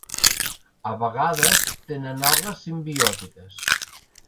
A vegades tenen algues simbiòtiques.